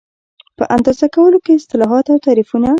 په اندازه کولو کې اصطلاحات او تعریفونه